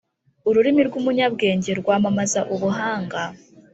ururimi rw’umunyabwenge rwamamaza ubuhanga,